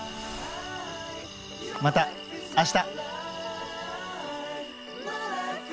また明日！